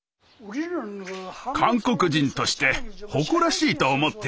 韓国人として誇らしいと思っていました。